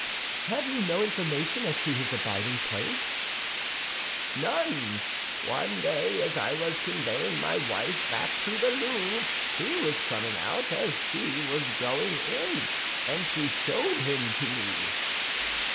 "Have you no information as to his abiding place?" "None. One day, as I was conveying my wife back to the Louvre, he was coming out as she was going in, and she showed him to me."